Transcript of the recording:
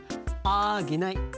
あげない。